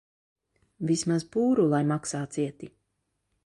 Vismaz pūru lai maksā cieti.